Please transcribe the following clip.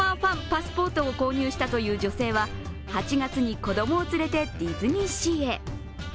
パスポートを購入したという女性は８月に子供を連れてディズニーシーへ。